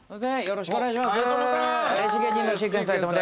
よろしくお願いします